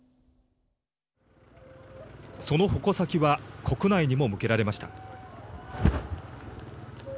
その矛先は国内にも向けられました。